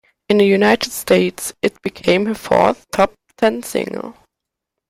In the United States, it became her fourth top-ten single.